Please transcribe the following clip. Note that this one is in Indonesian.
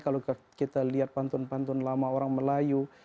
kalau kita lihat pantun pantun lama orang melayu